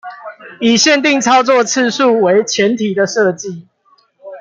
以限定操作次數為前提的設計